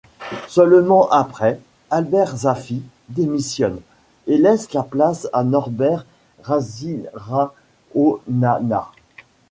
Seulement après, Albert Zafy démissionne, et laisse la place à Norbert Ratsirahonana.